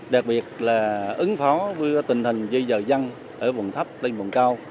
đặc biệt là ứng phó với tình hình dây dở dăng ở vùng thấp lên vùng cao